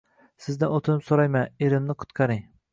Sizdan oʻtinib soʻrayman, erimni qutqaring